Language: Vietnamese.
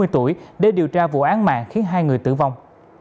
ba mươi tuổi để điều tra vụ án mạng khiến hai người tử vong